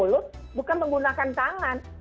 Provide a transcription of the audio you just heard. menggunakan mulut bukan menggunakan tangan